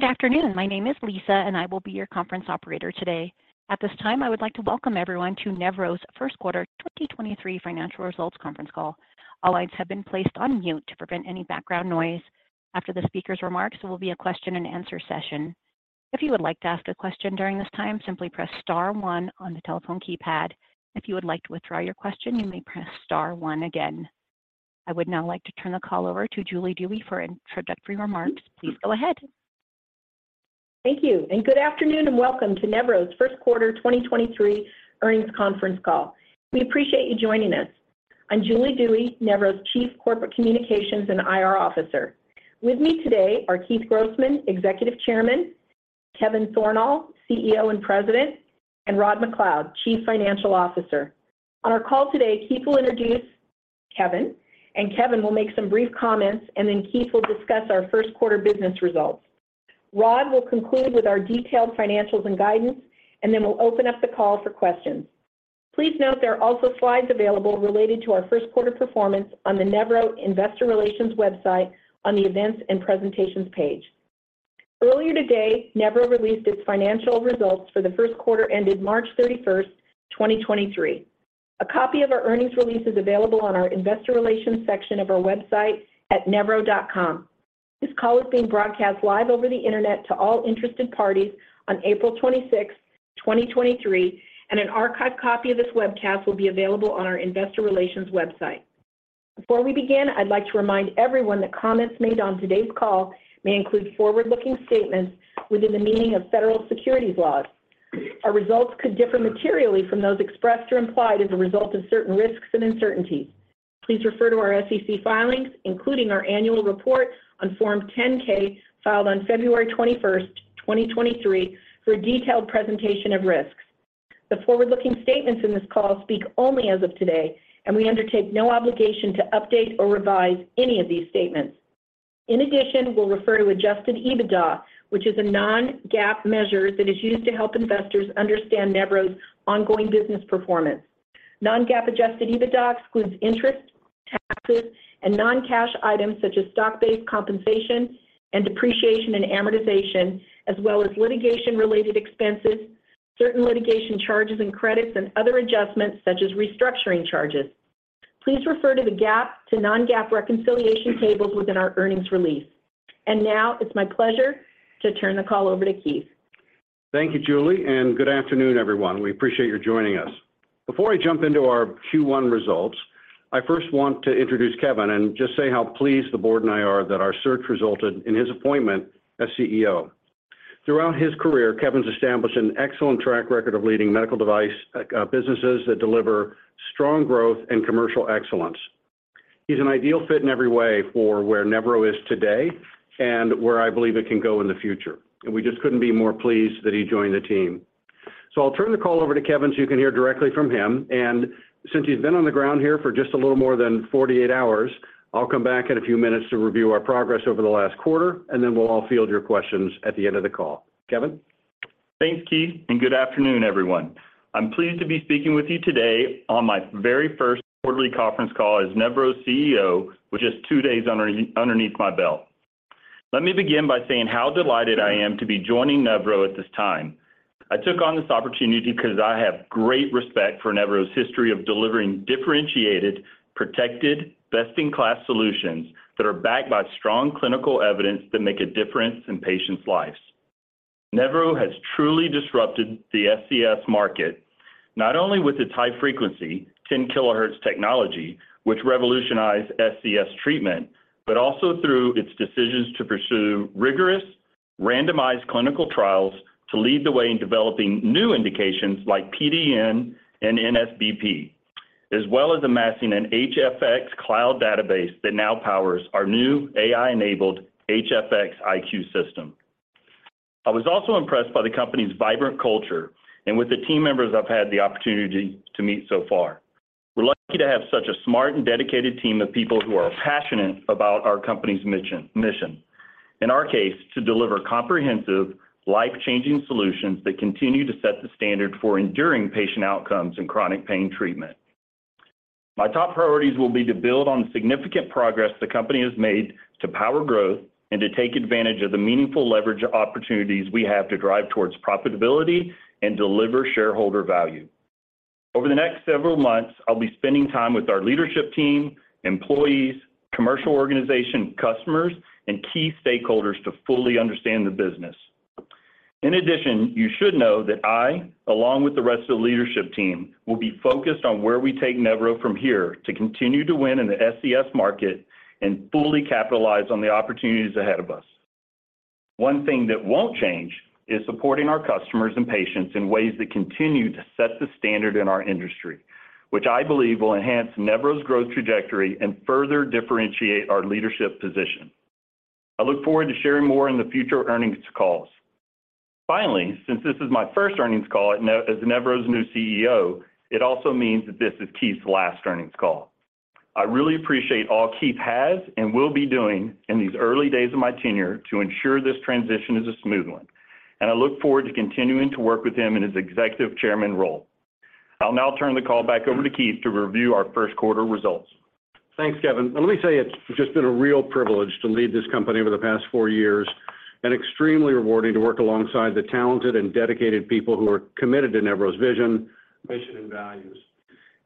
Good afternoon. My name is Lisa, and I will be your conference operator today. At this time, I would like to welcome everyone to Nevro's first quarter 2023 financial results conference call. All lines have been placed on mute to prevent any background noise. After the speaker's remarks, there will be a question-and-answer session. If you would like to ask a question during this time, simply press star one on the telephone keypad. If you would like to withdraw your question, you may press star one again. I would now like to turn the call over to Julie Dewey for introductory remarks. Please go ahead. Thank you. Good afternoon and welcome to Nevro's first quarter 2023 earnings conference call. We appreciate you joining us. I'm Julie Dewey, Nevro's Chief Corporate Communications and IR Officer. With me today are Keith Grossman, Executive Chairman, Kevin Thornal, CEO and President, and Rod MacLeod, Chief Financial Officer. On our call today, Keith will introduce Kevin. Kevin will make some brief comments. Keith will discuss our first quarter business results. Rod will conclude with our detailed financials and guidance. We'll open up the call for questions. Please note there are also slides available related to our first quarter performance on the Nevro Investor Relations website on the Events and Presentations page. Earlier today, Nevro released its financial results for the first quarter ended March 31st, 2023. A copy of our earnings release is available on our investor relations section of our website at nevro.com. This call is being broadcast live over the internet to all interested parties on April 26th, 2023, and an archived copy of this webcast will be available on our investor relations website. Before we begin, I'd like to remind everyone that comments made on today's call may include forward-looking statements within the meaning of federal securities laws. Our results could differ materially from those expressed or implied as a result of certain risks and uncertainties. Please refer to our SEC filings, including our annual report on Form 10-K filed on February 21st, 2023, for a detailed presentation of risks. The forward-looking statements in this call speak only as of today, and we undertake no obligation to update or revise any of these statements. In addition, we'll refer to adjusted EBITDA, which is a non-GAAP measure that is used to help investors understand Nevro's ongoing business performance. Non-GAAP adjusted EBITDA excludes interest, taxes, and non-cash items such as stock-based compensation and depreciation and amortization, as well as litigation-related expenses, certain litigation charges and credits, and other adjustments such as restructuring charges. Please refer to the GAAP to non-GAAP reconciliation tables within our earnings release. Now it's my pleasure to turn the call over to Keith. Thank you, Julie. Good afternoon, everyone. We appreciate you joining us. Before I jump into our Q1 results, I first want to introduce Kevin and just say how pleased the board and I are that our search resulted in his appointment as CEO. Throughout his career, Kevin's established an excellent track record of leading medical device businesses that deliver strong growth and commercial excellence. He's an ideal fit in every way for where Nevro is today and where I believe it can go in the future. We just couldn't be more pleased that he joined the team. I'll turn the call over to Kevin so you can hear directly from him. Since he's been on the ground here for just a little more than 48 hours, I'll come back in a few minutes to review our progress over the last quarter, then we'll all field your questions at the end of the call. Kevin? Thanks, Keith. Good afternoon, everyone. I'm pleased to be speaking with you today on my very first quarterly conference call as Nevro's CEO with just two days underneath my belt. Let me begin by saying how delighted I am to be joining Nevro at this time. I took on this opportunity because I have great respect for Nevro's history of delivering differentiated, protected, best-in-class solutions that are backed by strong clinical evidence that make a difference in patients' lives. Nevro has truly disrupted the SCS market, not only with its high-frequency 10 kHz technology, which revolutionized SCS treatment, but also through its decisions to pursue rigorous randomized clinical trials to lead the way in developing new indications like PDN and NSRBP, as well as amassing an HFX Cloud database that now powers our new AI-enabled HFX iQ system. I was also impressed by the company's vibrant culture and with the team members I've had the opportunity to meet so far. We're lucky to have such a smart and dedicated team of people who are passionate about our company's mission. In our case, to deliver comprehensive life-changing solutions that continue to set the standard for enduring patient outcomes in chronic pain treatment. My top priorities will be to build on the significant progress the company has made to power growth and to take advantage of the meaningful leverage opportunities we have to drive towards profitability and deliver shareholder value. Over the next several months, I'll be spending time with our leadership team, employees, commercial organization, customers, and key stakeholders to fully understand the business. In addition, you should know that I, along with the rest of the leadership team, will be focused on where we take Nevro from here to continue to win in the SCS market and fully capitalize on the opportunities ahead of us. One thing that won't change is supporting our customers and patients in ways that continue to set the standard in our industry, which I believe will enhance Nevro's growth trajectory and further differentiate our leadership position. I look forward to sharing more in the future earnings calls. Since this is my first earnings call as Nevro's new CEO, it also means that this is Keith's last earnings call.I really appreciate all Keith has and will be doing in these early days of my tenure to ensure this transition is a smooth one, and I look forward to continuing to work with him in his Executive Chairman role. I'll now turn the call back over to Keith to review our first quarter results. Thanks, Kevin. Let me say it's just been a real privilege to lead this company over the past four years and extremely rewarding to work alongside the talented and dedicated people who are committed to Nevro's vision, mission, and values.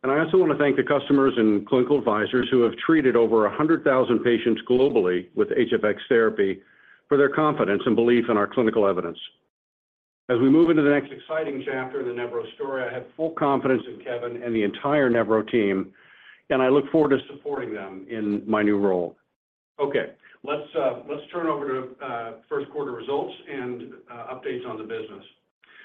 I also want to thank the customers and clinical advisors who have treated over 100,000 patients globally with HFX therapy for their confidence and belief in our clinical evidence. As we move into the next exciting chapter of the Nevro story, I have full confidence in Kevin and the entire Nevro team, and I look forward to supporting them in my new role. Okay, let's let's turn over to first quarter results and updates on the business.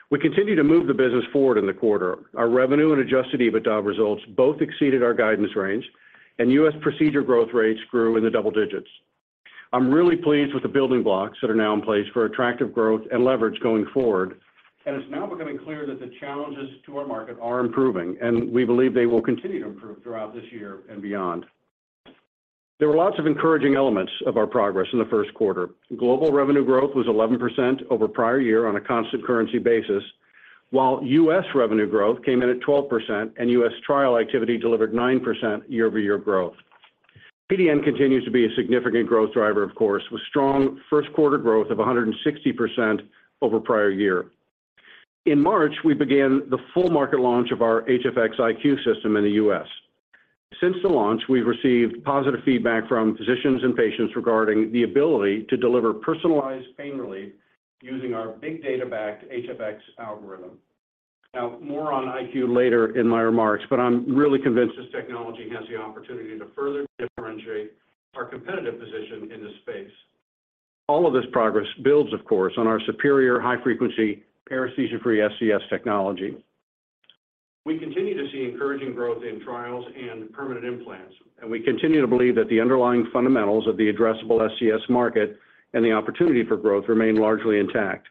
We continue to move the business forward in the quarter. Our revenue and adjusted EBITDA results both exceeded our guidance range, and U.S. procedure growth rates grew in the double digits. I'm really pleased with the building blocks that are now in place for attractive growth and leverage going forward, and it's now becoming clear that the challenges to our market are improving, and we believe they will continue to improve throughout this year and beyond. There were lots of encouraging elements of our progress in the first quarter. Global revenue growth was 11% over prior year on a constant currency basis, while U.S. revenue growth came in at 12%, and US trial activity delivered 9% year-over-year growth. PDN continues to be a significant growth driver, of course, with strong first quarter growth of 160% over prior year. In March, we began the full market launch of our HFX iQ system in the U.S.. Since the launch, we've received positive feedback from physicians and patients regarding the ability to deliver personalized pain relief using our big data-backed HFX Algorithm. Now, more on iQ later in my remarks, but I'm really convinced this technology has the opportunity to further differentiate our competitive position in this space. All of this progress builds, of course, on our superior high-frequency, paresthesia-free SCS technology. We continue to see encouraging growth in trials and permanent implants, and we continue to believe that the underlying fundamentals of the addressable SCS market and the opportunity for growth remain largely intact.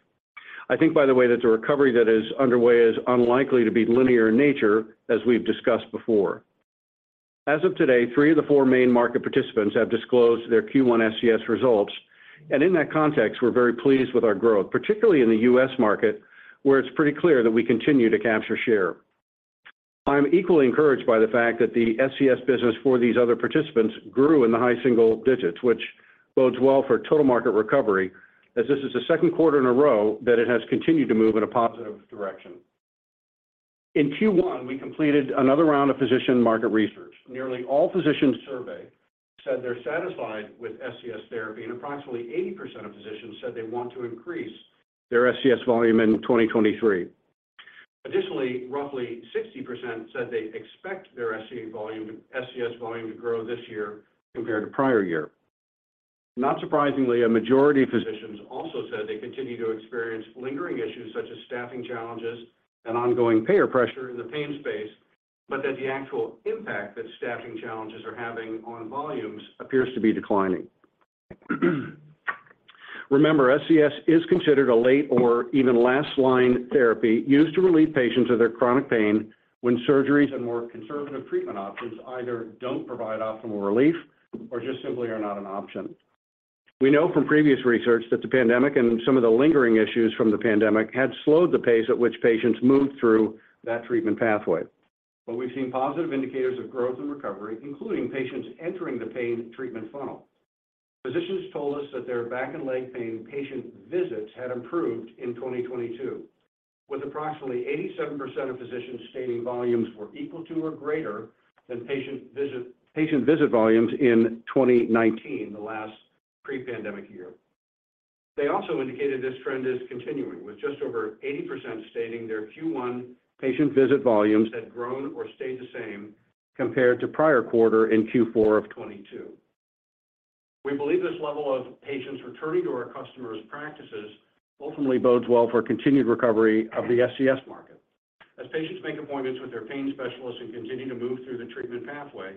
I think, by the way, that the recovery that is underway is unlikely to be linear in nature, as we've discussed before. As of today, three of the four main market participants have disclosed their Q1 SCS results. In that context, we're very pleased with our growth, particularly in the U.S. market, where it's pretty clear that we continue to capture share. I'm equally encouraged by the fact that the SCS business for these other participants grew in the high single digits, which bodes well for total market recovery, as this is the second quarter in a row that it has continued to move in a positive direction. In Q1, we completed another round of physician market research. Nearly all physicians surveyed said they're satisfied with SCS therapy. Approximately 80% of physicians said they want to increase their SCS volume in 2023. Additionally, roughly 60% said they expect their SCS volume to grow this year compared to prior year. Not surprisingly, a majority of physicians also said they continue to experience lingering issues such as staffing challenges and ongoing payer pressure in the pain space, but that the actual impact that staffing challenges are having on volumes appears to be declining. Remember, SCS is considered a late or even last line therapy used to relieve patients of their chronic pain when surgeries and more conservative treatment options either don't provide optimal relief or just simply are not an option. We know from previous research that the pandemic and some of the lingering issues from the pandemic had slowed the pace at which patients moved through that treatment pathway. We've seen positive indicators of growth and recovery, including patients entering the pain treatment funnel. Physicians told us that their back and leg pain patient visits had improved in 2022, with approximately 87% of physicians stating volumes were equal to or greater than patient visit volumes in 2019, the last pre-pandemic year. They also indicated this trend is continuing, with just over 80% stating their Q1 patient visit volumes had grown or stayed the same compared to prior quarter in Q4 of 2022. We believe this level of patients returning to our customers' practices ultimately bodes well for continued recovery of the SCS market. As patients make appointments with their pain specialists and continue to move through the treatment pathway,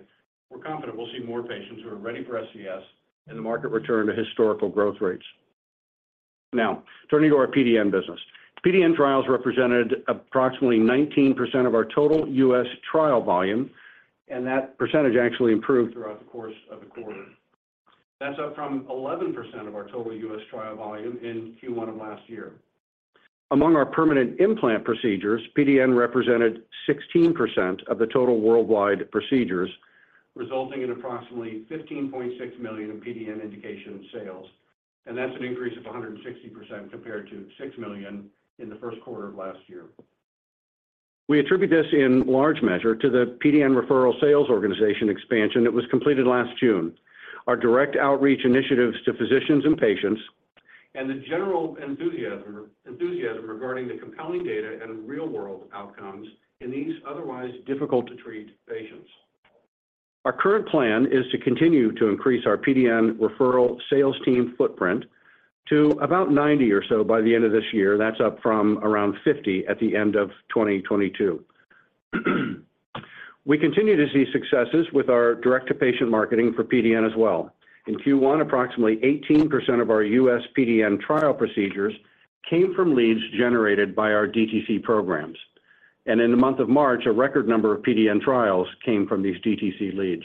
we're confident we'll see more patients who are ready for SCS and the market return to historical growth rates. Now, turning to our PDN business. PDN trials represented approximately 19% of our total U.S. trial volume, and that percentage actually improved throughout the course of the quarter. That's up from 11% of our total U.S. trial volume in Q1 of last year. Among our permanent implant procedures, PDN represented 16% of the total worldwide procedures, resulting in approximately $15.6 million in PDN indication sales, and that's an increase of 160% compared to $6 million in the first quarter of last year. We attribute this in large measure to the PDN referral sales organization expansion that was completed last June. Our direct outreach initiatives to physicians and patients and the general enthusiasm regarding the compelling data and real-world outcomes in these otherwise difficult to treat patients. Our current plan is to continue to increase our PDN referral sales team footprint to about 90 or so by the end of this year. That's up from around 50 at the end of 2022. We continue to see successes with our direct-to-patient marketing for PDN as well. In Q1, approximately 18% of our U.S. PDN trial procedures came from leads generated by our DTC programs. In the month of March, a record number of PDN trials came from these DTC leads.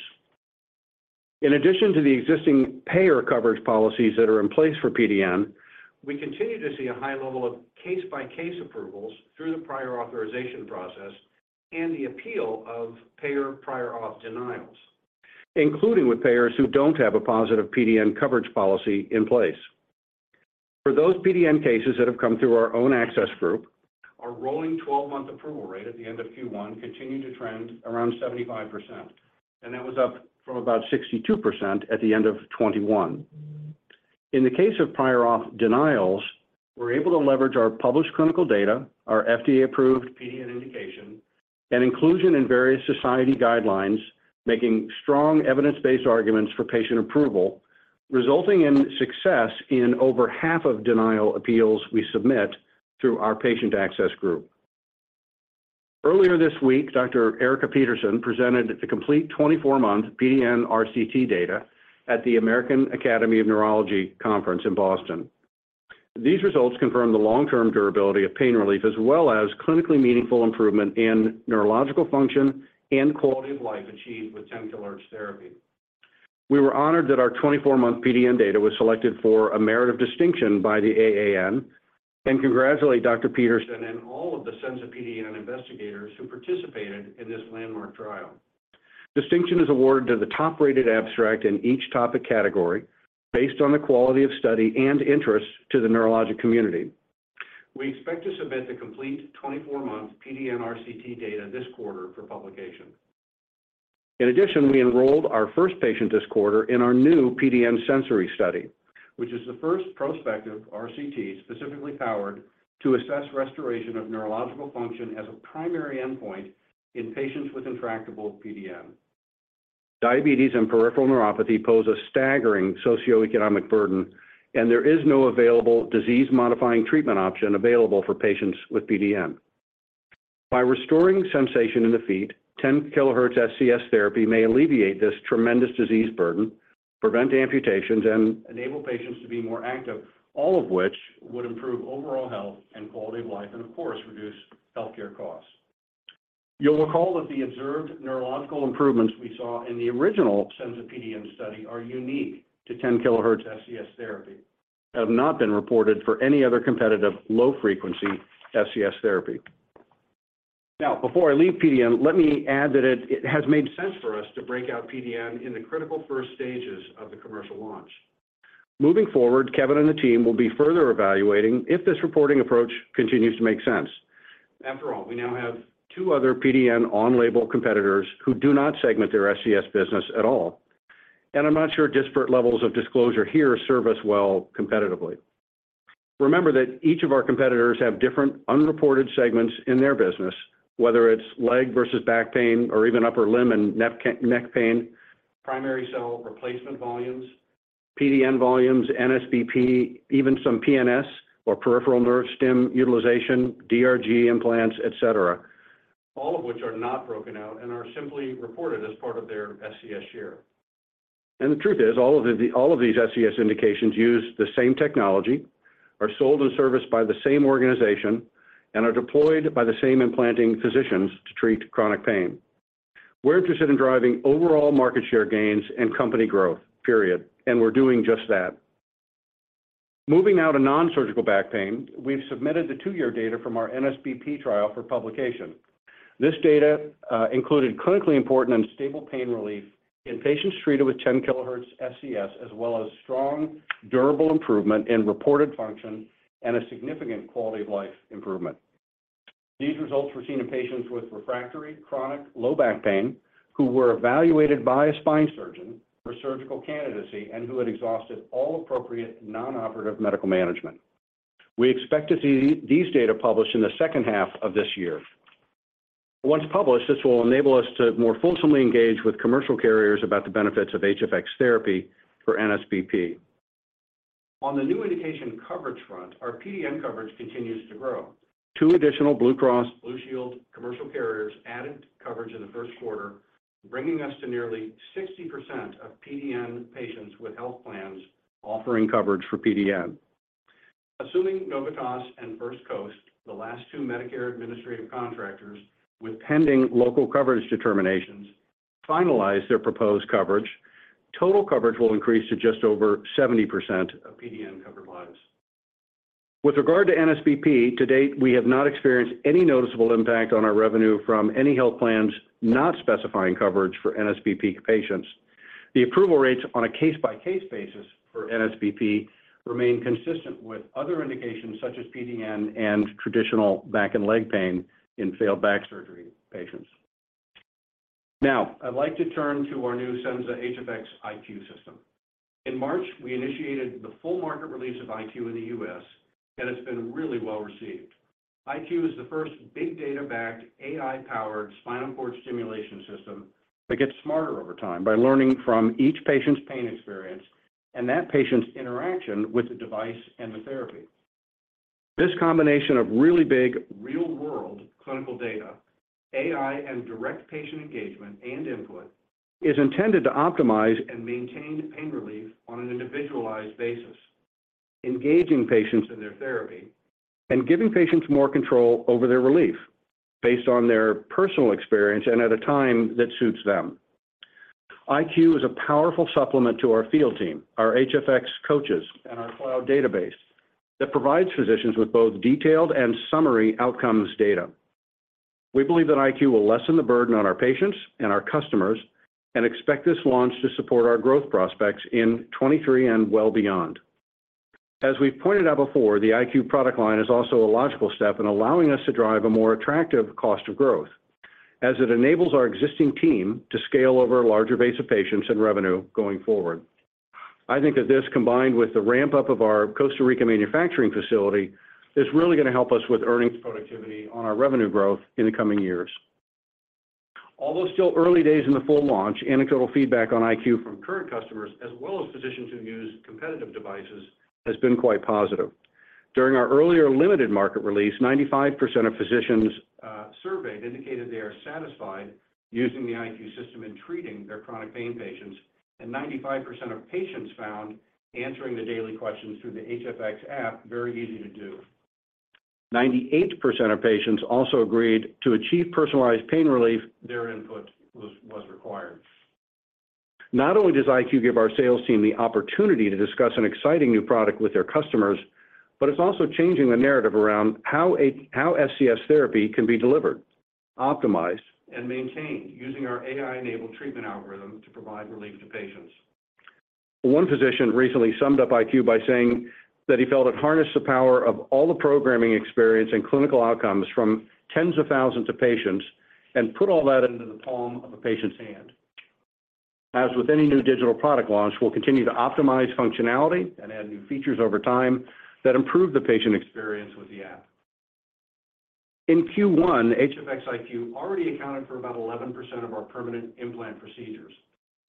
In addition to the existing payer coverage policies that are in place for PDN, we continue to see a high level of case-by-case approvals through the prior authorization process and the appeal of payer prior auth denials, including with payers who don't have a positive PDN coverage policy in place. For those PDN cases that have come through our own access group, our rolling 12-month approval rate at the end of Q1 continued to trend around 75%, and that was up from about 62% at the end of 2021. In the case of prior auth denials, we're able to leverage our published clinical data, our FDA-approved PDN indication, and inclusion in various society guidelines, making strong evidence-based arguments for patient approval, resulting in success in over half of denial appeals we submit through our patient access group. Earlier this week, Dr. Erika Petersen presented the complete 24-month PDN RCT data at the American Academy of Neurology Conference in Boston. These results confirm the long-term durability of pain relief as well as clinically meaningful improvement in neurological function and quality of life achieved with 10 kHz therapy. We were honored that our 24-month PDN data was selected for a merit of distinction by the AAN and congratulate Dr. Petersen and all of the Senza PDN investigators who participated in this landmark trial. Distinction is awarded to the top-rated abstract in each topic category based on the quality of study and interest to the neurologic community. We expect to submit the complete 24-month PDN RCT data this quarter for publication. In addition, we enrolled our first patient this quarter in our new PDN Sensory Study, which is the first prospective RCT specifically powered to assess restoration of neurological function as a primary endpoint in patients with intractable PDN. Diabetes and peripheral neuropathy pose a staggering socioeconomic burden, there is no available disease-modifying treatment option available for patients with PDN. By restoring sensation in the feet, 10 kHz SCS therapy may alleviate this tremendous disease burden, prevent amputations, and enable patients to be more active, all of which would improve overall health and quality of life, of course, reduce healthcare costs. You'll recall that the observed neurological improvements we saw in the original SENZA-PDN study are unique to 10 kHz SCS therapy, have not been reported for any other competitive low-frequency SCS therapy. Before I leave PDN, let me add that it has made sense for us to break out PDN in the critical first stages of the commercial launch. Moving forward, Kevin and the team will be further evaluating if this reporting approach continues to make sense. After all, we now have two other PDN on-label competitors who do not segment their SCS business at all, and I'm not sure disparate levels of disclosure here serve us well competitively. Remember that each of our competitors have different unreported segments in their business, whether it's leg versus back pain or even upper limb and neck pain, primary cell replacement volumes, PDN volumes, NSBP, even some PNS or peripheral nerve stim utilization, DRG implants, et cetera. All of which are not broken out and are simply reported as part of their SCS share. The truth is, all of these SCS indications use the same technology, are sold and serviced by the same organization, and are deployed by the same implanting physicians to treat chronic pain. We're interested in driving overall market share gains and company growth, period. We're doing just that. Moving now to nonsurgical back pain, we've submitted the two-year data from our NSBP trial for publication. This data included clinically important and stable pain relief in patients treated with 10 kHz SCS, as well as strong, durable improvement in reported function and a significant quality of life improvement. These results were seen in patients with refractory chronic low back pain who were evaluated by a spine surgeon for surgical candidacy and who had exhausted all appropriate non-operative medical management. We expect to see these data published in the second half of this year. Once published, this will enable us to more forcefully engage with commercial carriers about the benefits of HFX therapy for NSBP. On the new indication coverage front, our PDN coverage continues to grow. Two additional Blue Cross Blue Shield commercial carriers added coverage in the first quarter, bringing us to nearly 60% of PDN patients with health plans offering coverage for PDN. Assuming Novitas and First Coast, the last two Medicare Administrative Contractors with pending local coverage determinations, finalize their proposed coverage, total coverage will increase to just over 70% of PDN-covered lives. With regard to NSRBP, to date, we have not experienced any noticeable impact on our revenue from any health plans not specifying coverage for NSRBP patients. The approval rates on a case-by-case basis for NSRBP remain consistent with other indications such as PDN and traditional back and leg pain in failed back surgery patients. I'd like to turn to our new Senza HFX iQ system. In March, we initiated the full market release of iQ in the U.S., and it's been really well received. iQ is the first big data-backed, AI-powered spinal cord stimulation system that gets smarter over time by learning from each patient's pain experience and that patient's interaction with the device and the therapy. This combination of really big, real-world clinical data, AI, and direct patient engagement and input is intended to optimize and maintain pain relief on an individualized basis. Engaging patients in their therapy and giving patients more control over their relief based on their personal experience and at a time that suits them. iQ is a powerful supplement to our field team, our HFX coaches, and our cloud database that provides physicians with both detailed and summary outcomes data. We believe that iQ will lessen the burden on our patients and our customers, and expect this launch to support our growth prospects in 2023 and well beyond. As we've pointed out before, the iQ product line is also a logical step in allowing us to drive a more attractive cost of growth as it enables our existing team to scale over a larger base of patients and revenue going forward. I think that this, combined with the ramp-up of our Costa Rica manufacturing facility, is really going to help us with earnings productivity on our revenue growth in the coming years. Although still early days in the full launch, anecdotal feedback on iQ from current customers as well as physicians who use competitive devices has been quite positive. During our earlier limited market release, 95% of physicians surveyed indicated they are satisfied using the iQ system in treating their chronic pain patients, and 95% of patients found answering the daily questions through the HFX App very easy to do. 98% of patients also agreed to achieve personalized pain relief their input was required. Not only does iQ give our sales team the opportunity to discuss an exciting new product with their customers, but it's also changing the narrative around how SCS therapy can be delivered, optimized, and maintained using our AI-enabled treatment algorithm to provide relief to patients. One physician recently summed up iQ by saying that he felt it harnessed the power of all the programming experience and clinical outcomes from tens of thousands of patients and put all that into the palm of a patient's hand. As with any new digital product launch, we'll continue to optimize functionality and add new features over time that improve the patient experience with the app. In Q1, HFX iQ already accounted for about 11% of our permanent implant procedures.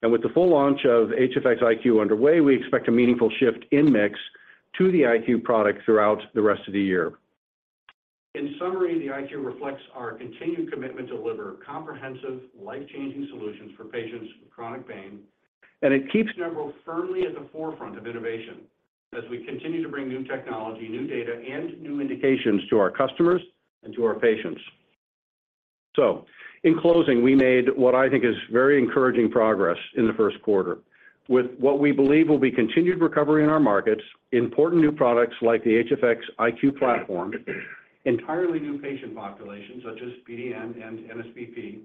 With the full launch of HFX iQ underway, we expect a meaningful shift in mix to the iQ product throughout the rest of the year. In summary, the iQ reflects our continued commitment to deliver comprehensive, life-changing solutions for patients with chronic pain, and it keeps Nevro firmly at the forefront of innovation as we continue to bring new technology, new data, and new indications to our customers and to our patients. In closing, we made what I think is very encouraging progress in the first quarter. With what we believe will be continued recovery in our markets, important new products like the HFX iQ platform, entirely new patient populations such as PDN and NSRBP,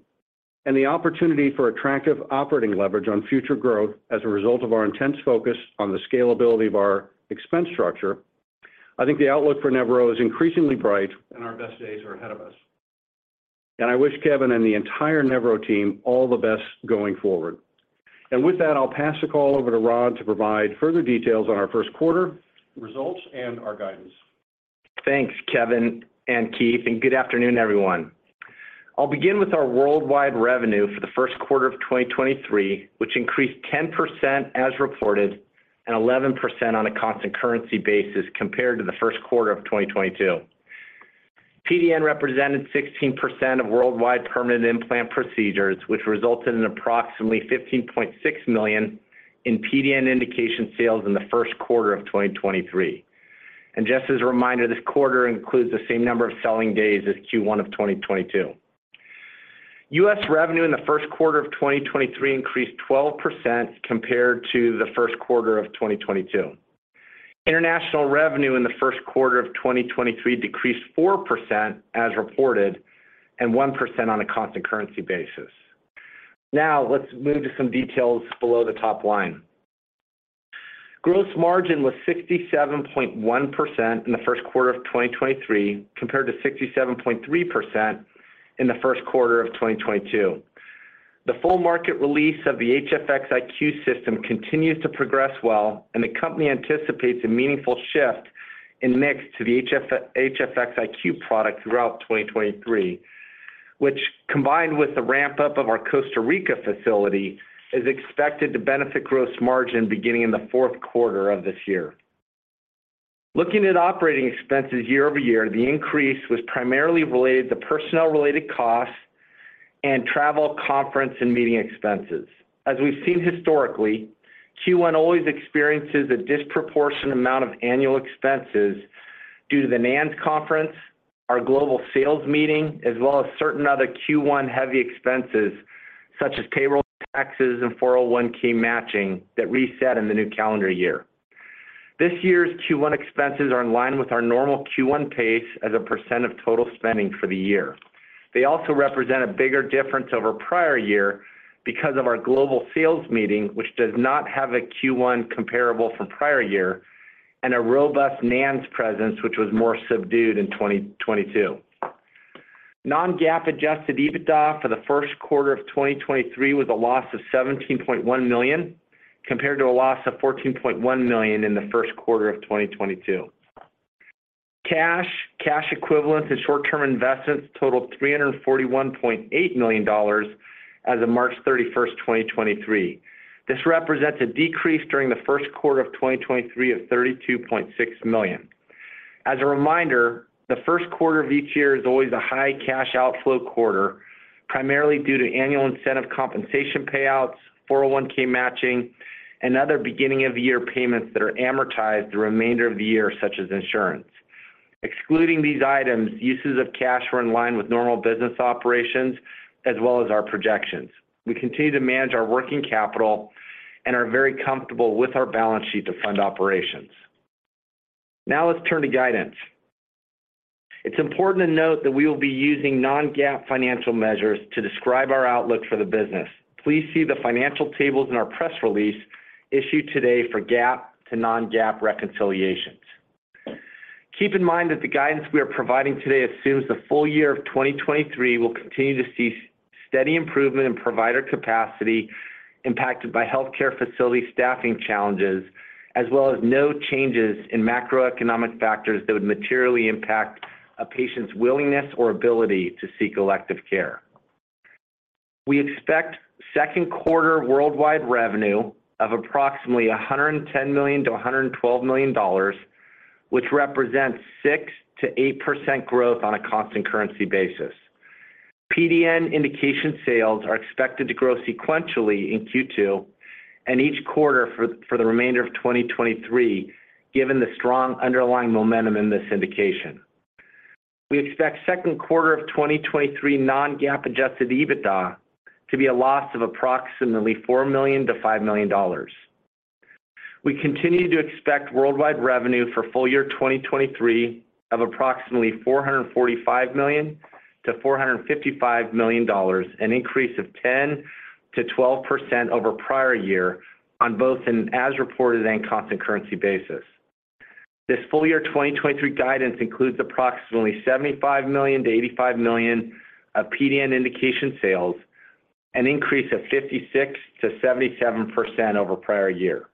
and the opportunity for attractive operating leverage on future growth as a result of our intense focus on the scalability of our expense structure, I think the outlook for Nevro is increasingly bright and our best days are ahead of us. I wish Kevin and the entire Nevro team all the best going forward. With that, I'll pass the call over to Rod to provide further details on our first quarter results and our guidance. Thanks, Kevin and Keith. Good afternoon, everyone. I'll begin with our worldwide revenue for the first quarter of 2023, which increased 10% as reported and 11% on a constant currency basis compared to the first quarter of 2022. PDN represented 16% of worldwide permanent implant procedures, which resulted in approximately $15.6 million in PDN indication sales in the first quarter of 2023. Just as a reminder, this quarter includes the same number of selling days as Q1 of 2022. U.S. revenue in the first quarter of 2023 increased 12% compared to the first quarter of 2022. International revenue in the first quarter of 2023 decreased 4% as reported and 1% on a constant currency basis. Let's move to some details below the top line. Gross margin was 67.1% in the first quarter of 2023, compared to 67.3% in the first quarter of 2022. The full market release of the HFX iQ system continues to progress well and the company anticipates a meaningful shift in mix to the HFX iQ product throughout 2023, which, combined with the ramp-up of our Costa Rica facility, is expected to benefit gross margin beginning in the fourth quarter of this year. Looking at operating expenses year-over-year, the increase was primarily related to personnel-related costs and travel, conference, and meeting expenses. As we've seen historically, Q1 always experiences a disproportionate amount of annual expenses due to the NANS conference, our global sales meeting, as well as certain other Q1-heavy expenses such as payroll taxes and 401 matching that reset in the new calendar year. This year's Q1 expenses are in line with our normal Q1 pace as a percent of total spending for the year. They also represent a bigger difference over prior year because of our global sales meeting, which does not have a Q1 comparable for prior year, and a robust NANS presence, which was more subdued in 2022. Non-GAAP adjusted EBITDA for the first quarter of 2023 was a loss of $17.1 million, compared to a loss of $14.1 million in the first quarter of 2022. Cash, cash equivalents, and short-term investments totaled $341.8 million as of March 31st, 2023. This represents a decrease during the first quarter of 2023 of $32.6 million. A reminder, the first quarter of each year is always a high cash outflow quarter, primarily due to annual incentive compensation payouts, 401 matching, and other beginning of the year payments that are amortized the remainder of the year, such as insurance. Excluding these items, uses of cash were in line with normal business operations as well as our projections. We continue to manage our working capital and are very comfortable with our balance sheet to fund operations. Let's turn to guidance. It's important to note that we will be using non-GAAP financial measures to describe our outlook for the business. Please see the financial tables in our press release issued today for GAAP to non-GAAP reconciliations. Keep in mind that the guidance we are providing today assumes the full year of 2023 will continue to see steady improvement in provider capacity impacted by healthcare facility staffing challenges, as well as no changes in macroeconomic factors that would materially impact a patient's willingness or ability to seek elective care. We expect second quarter worldwide revenue of approximately $110 million-$112 million, which represents 6%-8% growth on a constant currency basis. PDN indication sales are expected to grow sequentially in Q2 and each quarter for the remainder of 2023, given the strong underlying momentum in this indication. We expect second quarter of 2023 non-GAAP adjusted EBITDA to be a loss of approximately $4 million-$5 million. We continue to expect worldwide revenue for full year 2023 of approximately $445 million-$455 million, an increase of 10%-12% over prior year on both an as-reported and constant currency basis. This full year 2023 guidance includes approximately $75 million-$85 million of PDN indication sales, an increase of 56%-77% over prior year.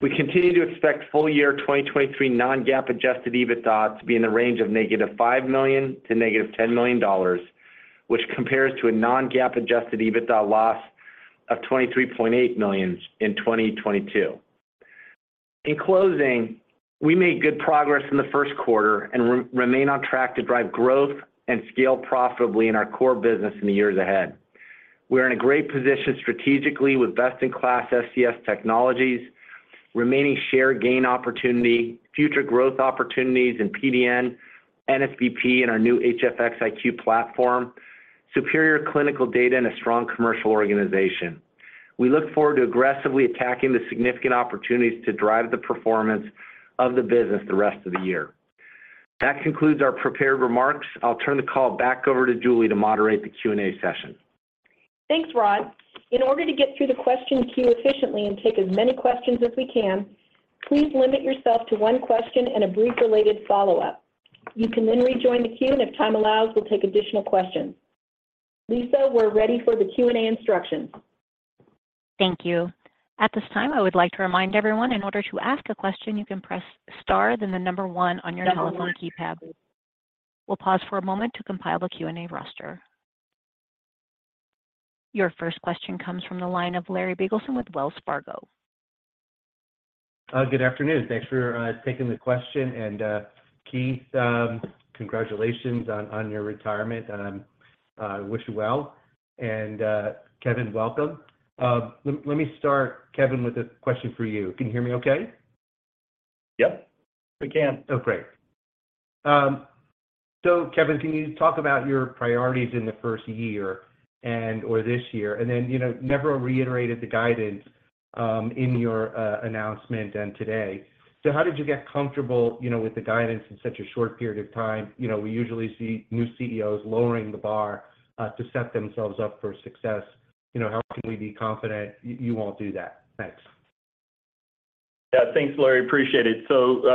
We continue to expect full year 2023 non-GAAP adjusted EBITDA to be in the range of -$5 million to -$10 million, which compares to a non-GAAP adjusted EBITDA loss of $23.8 million in 2022. In closing, we made good progress in the first quarter and remain on track to drive growth and scale profitably in our core business in the years ahead. We are in a great position strategically with best-in-class SCS technologies, remaining share gain opportunity, future growth opportunities in PDN, NSBP, and our new HFX iQ platform, superior clinical data, and a strong commercial organization. We look forward to aggressively attacking the significant opportunities to drive the performance of the business the rest of the year. That concludes our prepared remarks. I'll turn the call back over to Julie to moderate the Q&A session. Thanks, Rod. In order to get through the question queue efficiently and take as many questions as we can, please limit yourself to one question and a brief related follow-up. You can then rejoin the queue, and if time allows, we'll take additional questions. Lisa, we're ready for the Q&A instructions. Thank you. At this time, I would like to remind everyone in order to ask a question, you can press star then the number one on your telephone keypad. We'll pause for a moment to compile the Q&A roster. Your first question comes from the line of Larry Biegelsen with Wells Fargo. Good afternoon. Thanks for taking the question. Keith, congratulations on your retirement. I wish you well. Kevin, welcome. Let me start, Kevin, with a question for you. Can you hear me okay? Yep. We can. Great. So Kevin, can you talk about your priorities in the first year or this year? You know, Nevro reiterated the guidance in your announcement and today. How did you get comfortable, you know, with the guidance in such a short period of time? You know, we usually see new CEOs lowering the bar to set themselves up for success. You know, how can we be confident you won't do that? Thanks. Yeah. Thanks, Larry. Appreciate it.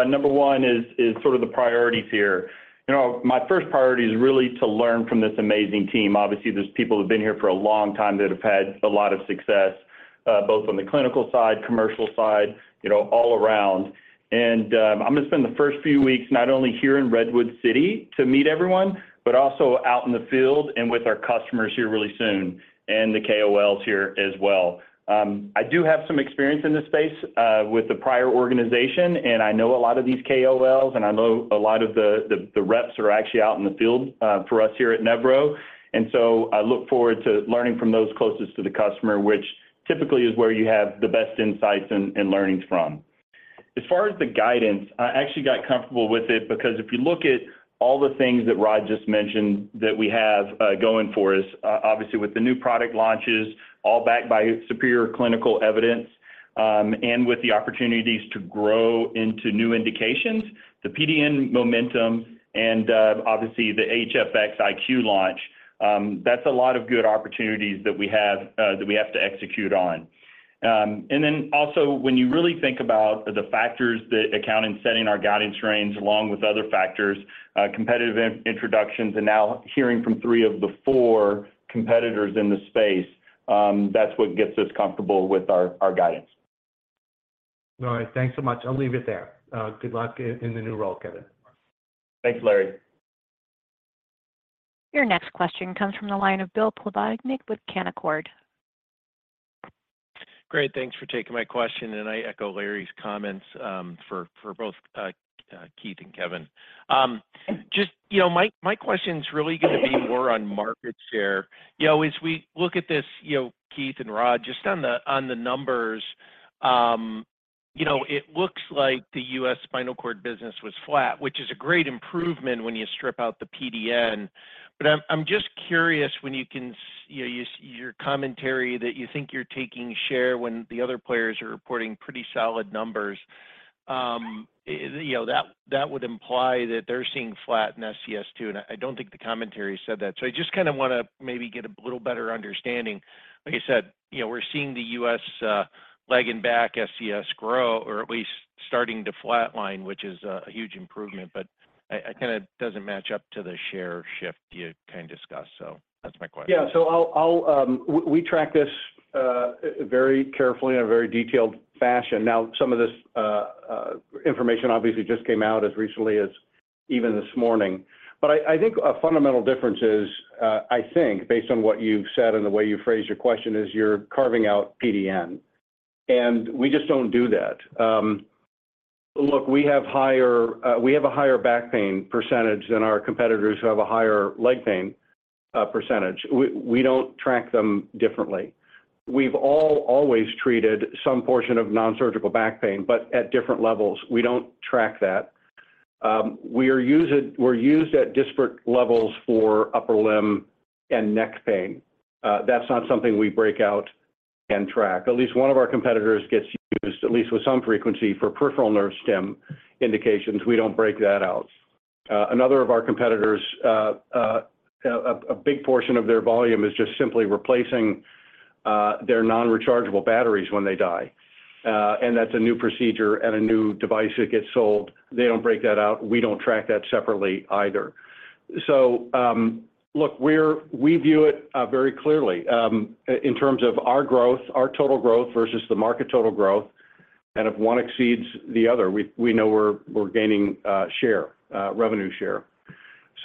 Number one is sort of the priorities here. You know, my first priority is really to learn from this amazing team. Obviously, there's people who've been here for a long time that have had a lot of success, both on the clinical side, commercial side, you know, all around. I'm gonna spend the first few weeks not only here in Redwood City to meet everyone, but also out in the field and with our customers here really soon, and the KOLs here as well. I do have some experience in this space with the prior organization, I know a lot of these KOLs, I know a lot of the reps that are actually out in the field for us here at Nevro. I look forward to learning from those closest to the customer, which typically is where you have the best insights and learnings from. As far as the guidance, I actually got comfortable with it because if you look at all the things that Rod just mentioned that we have going for us, obviously with the new product launches all backed by superior clinical evidence, and with the opportunities to grow into new indications, the PDN momentum and obviously the HFX iQ launch, that's a lot of good opportunities that we have to execute on. When you really think about the factors that account in setting our guidance range along with other factors, competitive introductions and now hearing from three of the four competitors in the space, that's what gets us comfortable with our guidance. All right. Thanks so much. I'll leave it there. Good luck in the new role, Kevin. Thanks, Larry. Your next question comes from the line of Bill Plovanic with Canaccord. Great. Thanks for taking my question. I echo Larry's comments for both Keith and Kevin. Just, you know, my question's really gonna be more on market share. You know, as we look at this, you know, Keith and Rod, just on the numbers, you know, it looks like the U.S. spinal cord business was flat, which is a great improvement when you strip out the PDN. I'm just curious when you can, you know, your commentary that you think you're taking share when the other players are reporting pretty solid numbers. You know, that would imply that they're seeing flat in SCS too. I don't think the commentary said that. I just kind of wanna maybe get a little better understanding. Like you said, you know, we're seeing the U.S. leg and back SCS grow or at least starting to flatline, which is a huge improvement, but I kinda doesn't match up to the share shift you kinda discussed. That's my question. Yeah. We track this very carefully in a very detailed fashion. Some of this information obviously just came out as recently as even this morning. I think a fundamental difference is, I think based on what you've said and the way you phrased your question is you're carving out PDN, and we just don't do that. Look, we have higher, we have a higher back pain percentage than our competitors who have a higher leg pain percentage. We don't track them differently. We've always treated some portion of non-surgical back pain, but at different levels. We don't track that. We're used at disparate levels for upper limb and neck pain. That's not something we break out and track. At least one of our competitors gets used, at least with some frequency, for peripheral nerve stimulation indications. We don't break that out. Another of our competitors, a big portion of their volume is just simply replacing their non-rechargeable batteries when they die. That's a new procedure and a new device that gets sold. They don't break that out. We don't track that separately either. Look, we view it very clearly in terms of our growth, our total growth versus the market total growth. If one exceeds the other, we know we're gaining share, revenue share.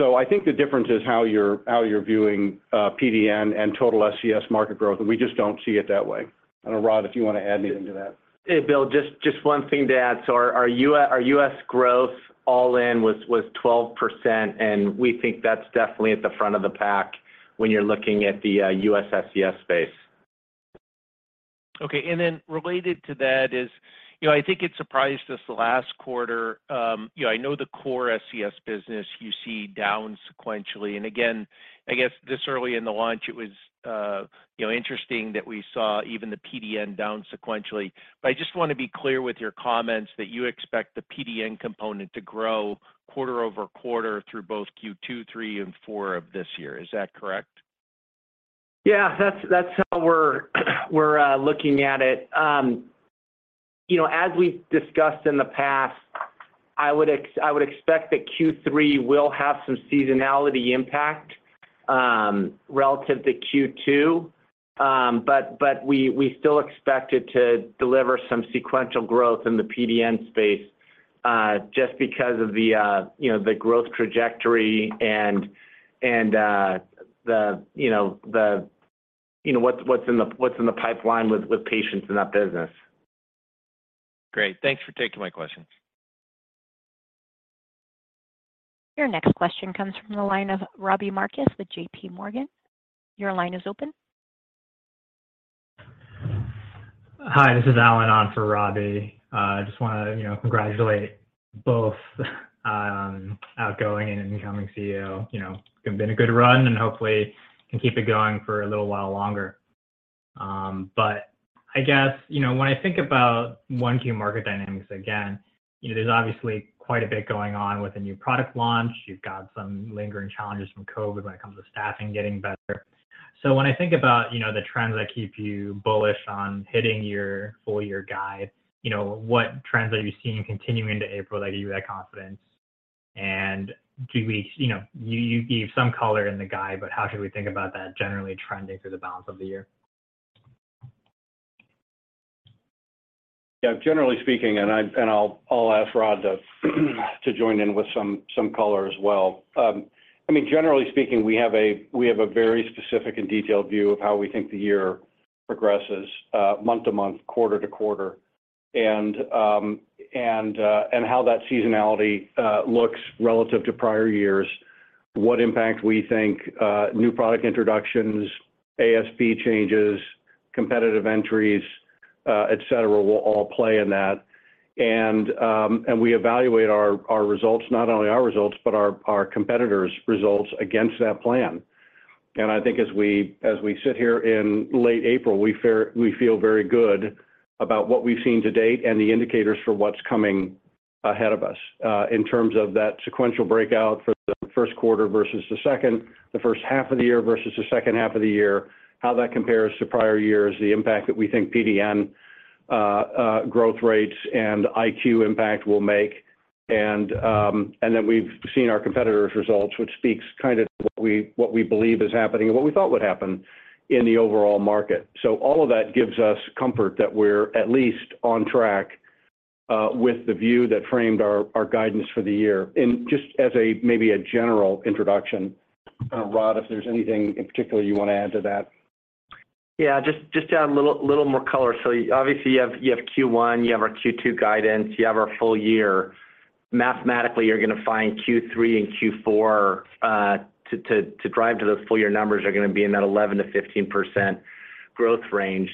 I think the difference is how you're viewing PDN and total SCS market growth, and we just don't see it that way. I don't know, Rod, if you wanna add anything to that. Hey, Bill, just one thing to add. Our U.S. growth all in was 12%, and we think that's definitely at the front of the pack when you're looking at the U.S. SCS space. Okay. Related to that is, you know, I think it surprised us the last quarter, you know, I know the core SCS business you see down sequentially. Again, I guess this early in the launch, it was, you know, interesting that we saw even the PDN down sequentially. I just wanna be clear with your comments that you expect the PDN component to grow quarter-over-quarter through both Q2, Q3, and Q4 of this year. Is that correct? Yeah, that's how we're looking at it. You know, as we've discussed in the past, I would expect that Q3 will have some seasonality impact relative to Q2. We still expect it to deliver some sequential growth in the PDN space just because of the, you know, the growth trajectory and the, you know, what's in the pipeline with patients in that business. Great. Thanks for taking my questions. Your next question comes from the line of Robbie Marcus with J.P. Morgan. Your line is open. Hi, this is Allen on for Robbie. I just wanna, you know, congratulate both outgoing and incoming CEO. You know, it's been a good run, hopefully can keep it going for a little while longer. I guess, you know, when I think about one key market dynamics, again, you know, there's obviously quite a bit going on with a new product launch. You've got some lingering challenges from COVID when it comes to staffing getting better. When I think about, you know, the trends that keep you bullish on hitting your full year guide, you know, what trends are you seeing continuing to April that give you that confidence? You know, you give some color in the guide, how should we think about that generally trending for the balance of the year? Generally speaking, I'll ask Rod to join in with some color as well. I mean, generally speaking, we have a very specific and detailed view of how we think the year progresses, month to month, quarter to quarter, and how that seasonality looks relative to prior years, what impact we think new product introductions, ASP changes, competitive entries, etc., will all play in that. We evaluate our results, not only our results, but our competitors' results against that plan. I think as we sit here in late April, we feel very good about what we've seen to date and the indicators for what's coming ahead of us, in terms of that sequential breakout for the first quarter versus the second, the first half of the year versus the second half of the year, how that compares to prior years, the impact that we think PDN growth rates and iQ impact will make. Then we've seen our competitors' results, which speaks kind of to what we believe is happening and what we thought would happen in the overall market. All of that gives us comfort that we're at least on track. With the view that framed our guidance for the year. Just as a maybe a general introduction, Rod, if there's anything in particular you wanna add to that. Yeah. Just to add a little more color. Obviously, you have Q1, you have our Q2 guidance, you have our full year. Mathematically, you're gonna find Q3 and Q4 to drive to those full year numbers are gonna be in that 11%-15% growth range.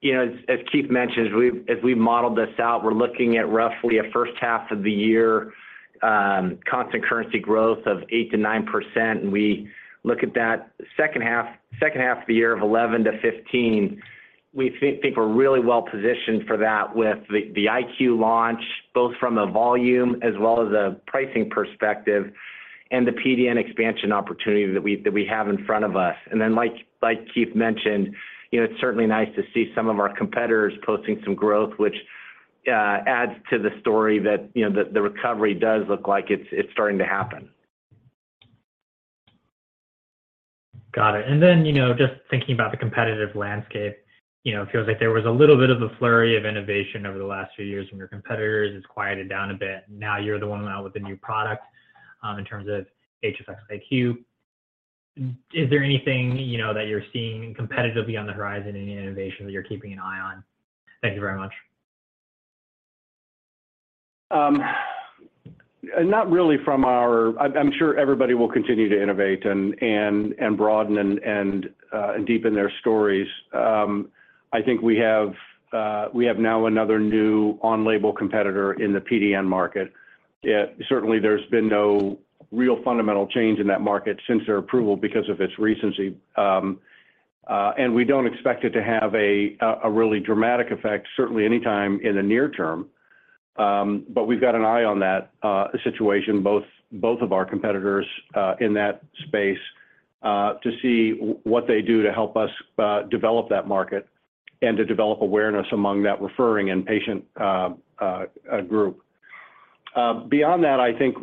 You know, as Keith mentioned, as we've modeled this out, we're looking at roughly a first half of the year constant currency growth of 8%-9%. We look at that second half of the year of 11%-15%, we think we're really well positioned for that with the iQ launch, both from a volume as well as a pricing perspective, and the PDN expansion opportunity that we have in front of us. Like Keith mentioned, you know, it's certainly nice to see some of our competitors posting some growth, which adds to the story that, you know, the recovery does look like it's starting to happen. Got it. You know, just thinking about the competitive landscape, you know, it feels like there was a little bit of a flurry of innovation over the last few years from your competitors. It's quieted down a bit. Now you're the one out with a new product, in terms of HFX iQ. Is there anything, you know, that you're seeing competitively on the horizon, any innovation that you're keeping an eye on? Thank you very much. Not really from our. I'm sure everybody will continue to innovate and broaden and deepen their stories. I think we have now another new on-label competitor in the PDN market. Certainly there's been no real fundamental change in that market since their approval because of its recency. We don't expect it to have a really dramatic effect certainly anytime in the near term. We've got an eye on that situation, both of our competitors in that space, to see what they do to help us develop that market and to develop awareness among that referring and patient group. Beyond that, I think,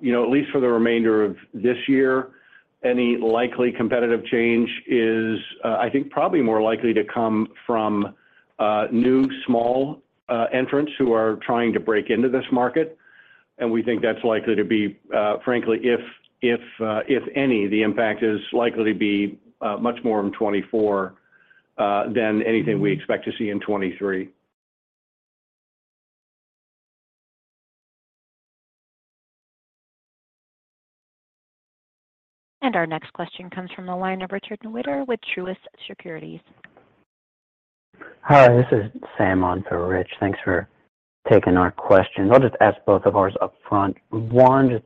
you know, at least for the remainder of this year, any likely competitive change is, I think probably more likely to come from new small entrants who are trying to break into this market, and we think that's likely to be, frankly if any, the impact is likely to be much more in 2024, than anything we expect to see in 2023. Our next question comes from the line of Richard Newitter with Truist Securities. Hi, this is Sam on for Rich. Thanks for taking our questions. I'll just ask both of ours upfront. One, just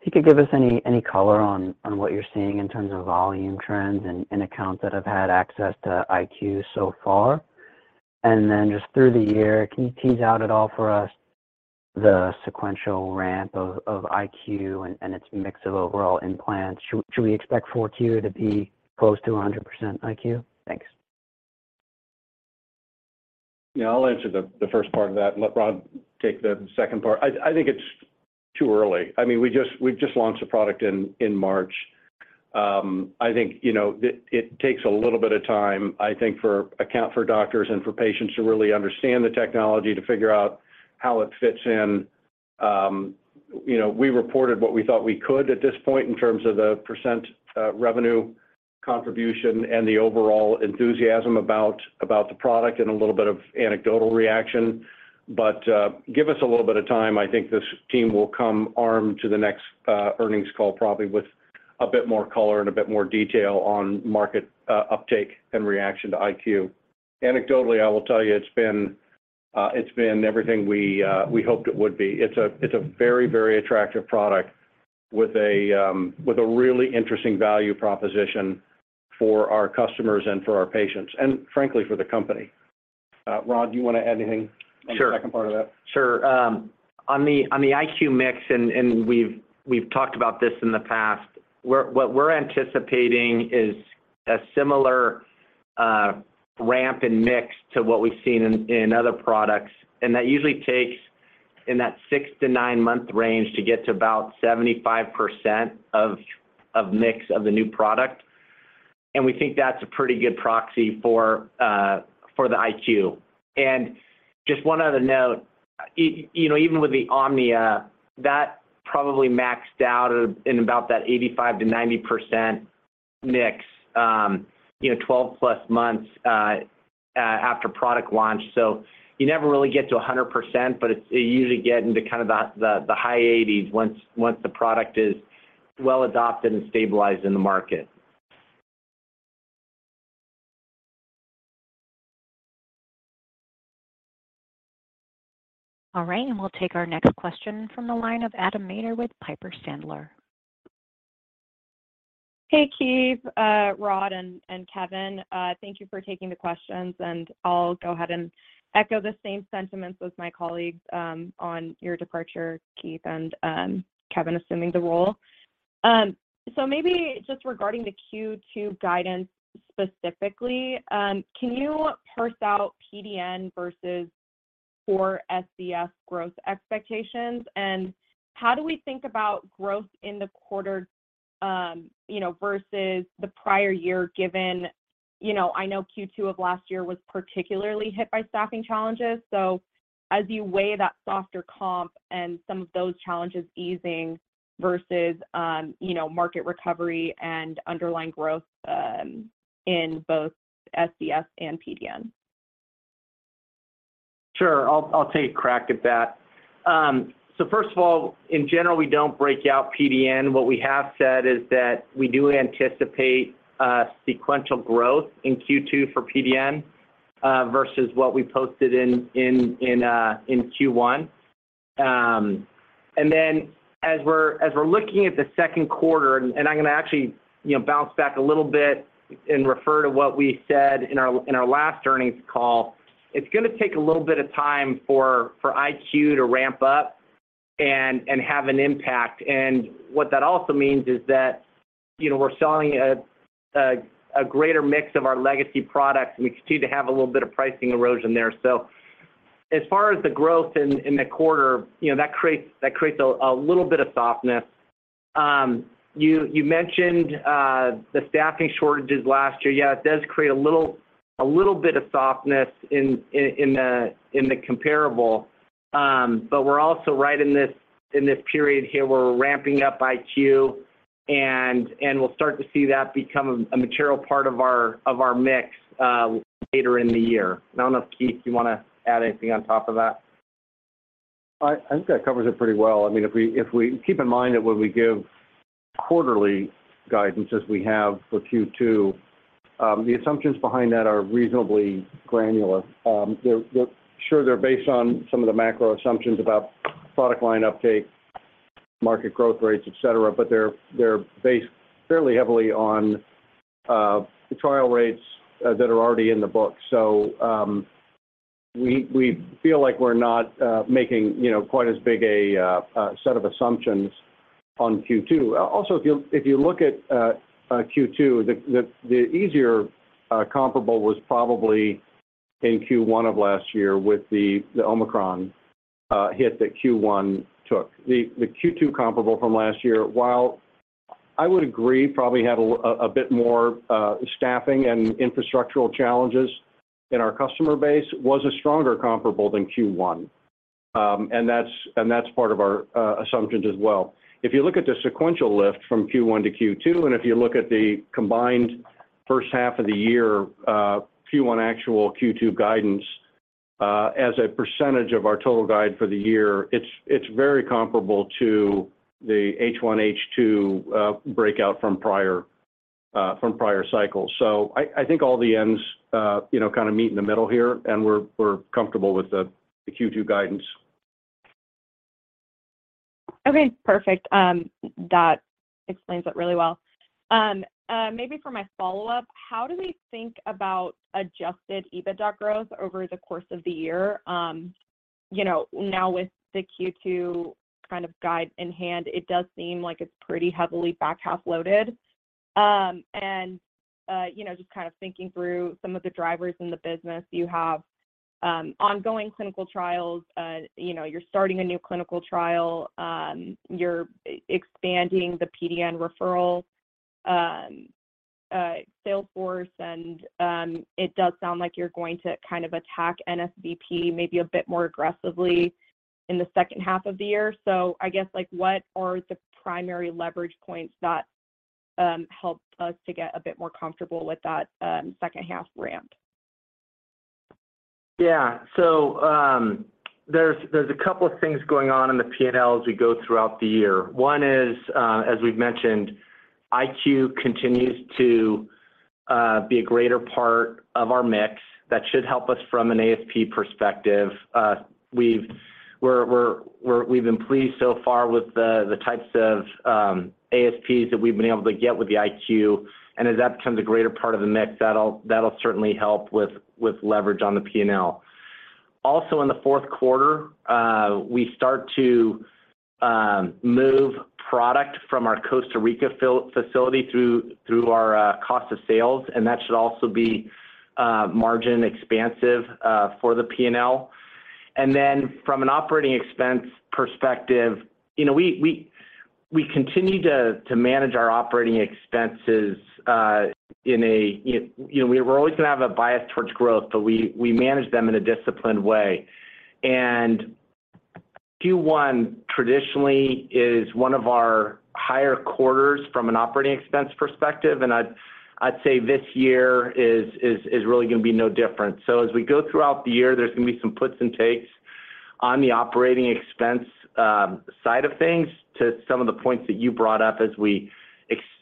if you could give us any color on what you're seeing in terms of volume trends in accounts that have had access to iQ so far. Then just through the year, can you tease out at all for us the sequential ramp of iQ and its mix of overall implants? Should we expect 4Q to be close to 100% iQ? Thanks. Yeah. I'll answer the first part of that and let Rod take the second part. I think it's too early. I mean, we've just launched the product in March. I think, you know, it takes a little bit of time, I think, for doctors and for patients to really understand the technology, to figure out how it fits in. You know, we reported what we thought we could at this point in terms of the percent revenue contribution and the overall enthusiasm about the product and a little bit of anecdotal reaction. Give us a little bit of time. I think this team will come armed to the next earnings call probably with a bit more color and a bit more detail on market uptake and reaction to iQ. Anecdotally, I will tell you it's been everything we hoped it would be. It's a very, very attractive product with a really interesting value proposition for our customers and for our patients, and frankly for the company. Rod, do you wanna add anything? Sure on the second part of that? Sure. On the iQ mix, and we've talked about this in the past. What we're anticipating is a similar ramp in mix to what we've seen in other products. That usually takes in that six to nine month range to get to about 75% of mix of the new product, and we think that's a pretty good proxy for the iQ. Just one other note. You know, even with the Omnia, that probably maxed out at about that 85%-90% mix, you know, 12+ months after product launch. You never really get to 100%, but you usually get into kind of the high eighties once the product is well adopted and stabilized in the market. All right. We'll take our next question from the line of Adam Maeder with Piper Sandler. Hey, Keith, Rod, and Kevin. Thank you for taking the questions, and I'll go ahead and echo the same sentiments as my colleagues on your departure, Keith and Kevin assuming the role. Maybe just regarding the Q2 guidance specifically, can you parse out PDN versus core SCS growth expectations? How do we think about growth in the quarter, you know, versus the prior year given. You know, I know Q2 of last year was particularly hit by staffing challenges. As you weigh that softer comp and some of those challenges easing versus, you know, market recovery and underlying growth in both SCS and PDN. Sure. I'll take a crack at that. First of all, in general, we don't break out PDN. What we have said is that we do anticipate sequential growth in Q2 for PDN versus what we posted in Q1. As we're looking at the second quarter, and I'm gonna actually, you know, bounce back a little bit and refer to what we said in our last earnings call, it's gonna take a little bit of time for iQ to ramp up and have an impact. What that also means is that, you know, we're selling a greater mix of our legacy products, and we continue to have a little bit of pricing erosion there. As far as the growth in the quarter, you know, that creates a little bit of softness. You mentioned the staffing shortages last year. Yeah, it does create a little bit of softness in the comparable. But we're also right in this period here where we're ramping up iQ and we'll start to see that become a material part of our mix later in the year. I don't know if, Keith, you wanna add anything on top of that? I think that covers it pretty well. I mean, if we keep in mind that when we give quarterly guidance as we have for Q2, the assumptions behind that are reasonably granular. They're Sure, they're based on some of the macro assumptions about product line uptake, market growth rates, et cetera, but they're based fairly heavily on the trial rates that are already in the books. We feel like we're not making, you know, quite as big a set of assumptions on Q2. Also if you look at Q2, the easier comparable was probably in Q1 of last year with the Omicron hit that Q1 took. The Q2 comparable from last year, while I would agree probably had a bit more staffing and infrastructural challenges in our customer base, was a stronger comparable than Q1. That's part of our assumptions as well. If you look at the sequential lift from Q1 to Q2, and if you look at the combined first half of the year, Q1 actual, Q2 guidance, as a percentage of our total guide for the year, it's very comparable to the H1, H2 breakout from prior from prior cycles. I think all the ends, you know, kind of meet in the middle here, and we're comfortable with the Q2 guidance. Okay. Perfect. That explains it really well. Maybe for my follow-up, how do we think about adjusted EBITDA growth over the course of the year? You know, now with the Q2 kind of guide in hand, it does seem like it's pretty heavily back half loaded. You know, just kind of thinking through some of the drivers in the business, you have, ongoing clinical trials, you know, you're starting a new clinical trial, you're expanding the PDN referral, sales force and, it does sound like you're going to kind of attack NSRBP maybe a bit more aggressively in the second half of the year. I guess, like, what are the primary leverage points that, help us to get a bit more comfortable with that, second half ramp? There's a couple of things going on in the P&L as we go throughout the year. One is, as we've mentioned, iQ continues to be a greater part of our mix. That should help us from an ASP perspective. We've been pleased so far with the types of ASPs that we've been able to get with the iQ, and as that becomes a greater part of the mix, that'll certainly help with leverage on the P&L. Also, in the fourth quarter, we start to move product from our Costa Rica facility through our cost of sales, and that should also be margin expansive for the P&L. From an operating expense perspective, you know, we continue to manage our operating expenses in a... You know, we're always gonna have a bias towards growth, but we manage them in a disciplined way. Q1 traditionally is one of our higher quarters from an OpEx perspective, and I'd say this year is really gonna be no different. As we go throughout the year, there's gonna be some puts and takes on the OpEx side of things to some of the points that you brought up as we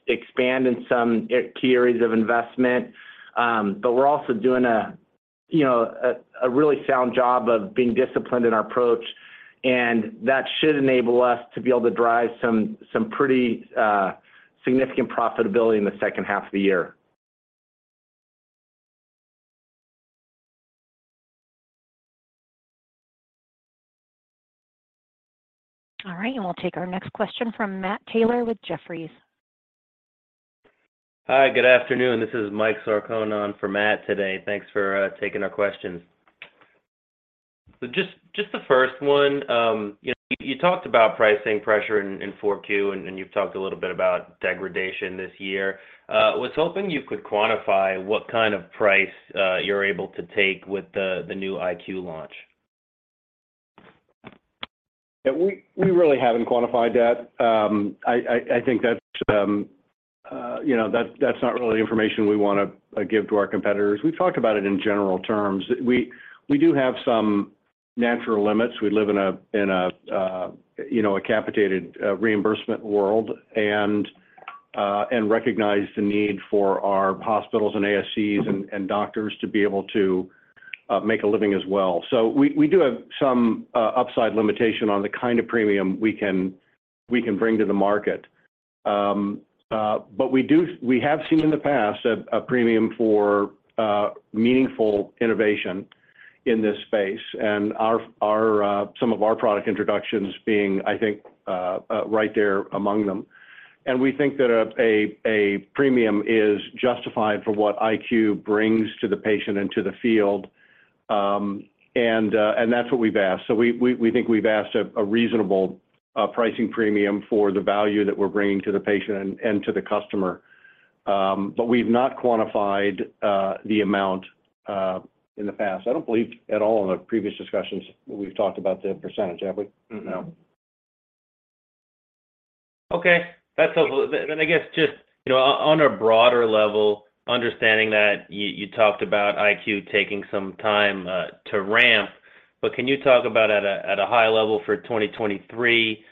expand in some key areas of investment. We're also doing a you know, a really sound job of being disciplined in our approach, and that should enable us to be able to drive some pretty significant profitability in the second half of the year. All right. We'll take our next question from Matt Taylor with Jefferies. Hi, good afternoon. This is Mike Sarcone on for Matt today. Thanks for taking our questions. Just the first one. You know, you talked about pricing pressure in 4Q, and you've talked a little bit about degradation this year. Was hoping you could quantify what kind of price you're able to take with the new iQ launch. Yeah, we really haven't quantified that. I think that's, you know, that's not really the information we wanna give to our competitors. We've talked about it in general terms. We do have some natural limits. We live in a, you know, a capitated reimbursement world and recognize the need for our hospitals and ASCs and doctors to be able to make a living as well. We do have some upside limitation on the kind of premium we can bring to the market. We have seen in the past a premium for meaningful innovation in this space, and our, some of our product introductions being, I think, right there among them. We think that a premium is justified for what iQ brings to the patient and to the field. That's what we've asked. We think we've asked a reasonable pricing premium for the value that we're bringing to the patient and to the customer. We've not quantified the amount in the past. I don't believe at all in our previous discussions we've talked about the percentage, have we? No. Okay. That's helpful. I guess just, you know, on a broader level, understanding that you talked about iQ taking some time to ramp, but can you talk about at a high level for 2023,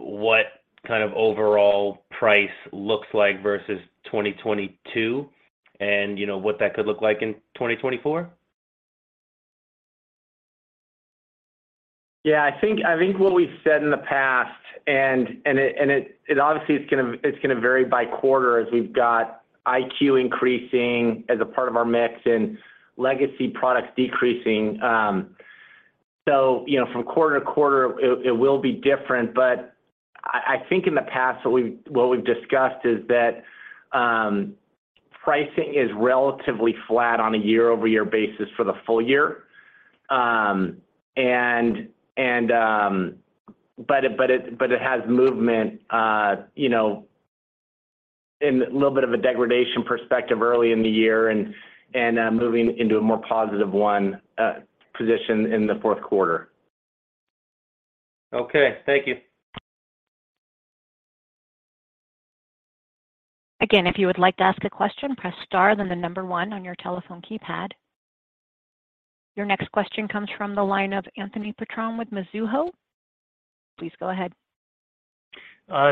what kind of overall price looks like versus 2022 and, you know, what that could look like in 2024? I think what we've said in the past and it obviously it's gonna vary by quarter as we've got iQ increasing as a part of our mix and legacy products decreasing. You know, from quarter to quarter, it will be different. I think in the past what we've discussed is that pricing is relatively flat on a year-over-year basis for the full year. But it has movement, you know, in a little bit of a degradation perspective early in the year and moving into a more positive one position in the fourth quarter. Okay. Thank you. Again, if you would like to ask a question, press star, then the one on your telephone keypad. Your next question comes from the line of Anthony Petrone with Mizuho. Please go ahead.